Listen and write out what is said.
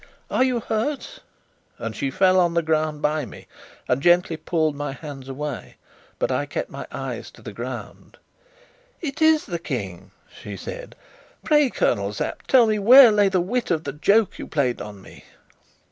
Are you hurt?" And she fell on the ground by me, and gently pulled my hands away; but I kept my eyes to the ground. "It is the King!" she said. "Pray, Colonel Sapt, tell me where lay the wit of the joke you played on me?"